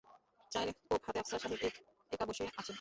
চায়ের কোপ হাতে আফসার সাহেব এক-একা বসে আছেন।